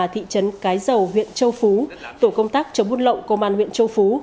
thị trấn cái dầu huyện châu phú tổ công tác chống buôn lậu công an huyện châu phú